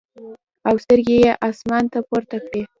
او سترګې ئې اسمان ته پورته کړې ـ